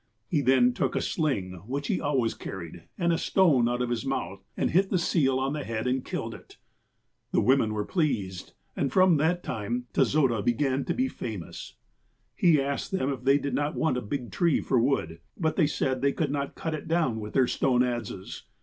He then took a sling, which he always carried, and a stone out of his mouth, and hit the seal on the head, and killed it. '' The women were pleased, and from that time Tezoda began to be famous. '' He asked them if they did not want a big tree for wood, but they said that they could not cut it down with their stone adzes.